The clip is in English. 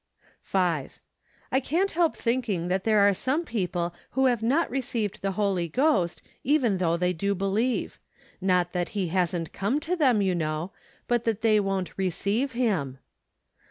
90 SEPTEMBER. 5. I can't help thinking that there are some people who have not received the Holy Ghost, even though they do believe ; not that He hasn't come to them, you know, but that they won't receive Him.